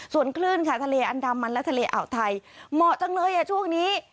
ส่วนคลื่นค่ะทะเลอันดามันและทะเลอ่าวไทยเหมาะจังเลยช่วงนี้